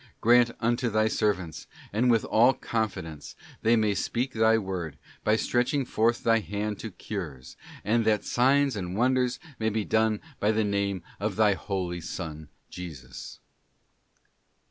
'Grant unto Thy servants, that with all confidence they may , speak Thy Word, by stretching forth Thy hand to cures; and that signs and wonders may be done by the name of Thy Holy Son Jesus.